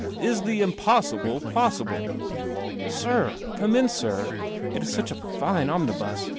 "Is the impossible possible ?"" Sir ; come in, sir. It is such a fine omni bus.